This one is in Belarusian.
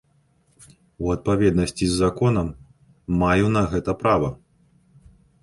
У адпаведнасці з законам, маю на гэта права.